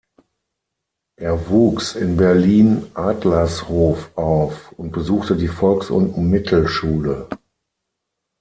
Er wuchs in Berlin-Adlershof auf und besuchte die Volks- und Mittelschule.